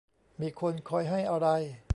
มีคนคอยให้อะไร